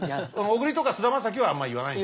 小栗とか菅田将暉はあんま言わない。